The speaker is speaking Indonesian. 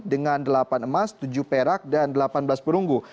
dengan delapan emas tujuh perak dan delapan belas perunggu